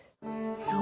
［そう。